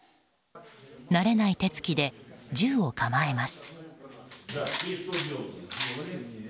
慣れない手つきで銃を構えます。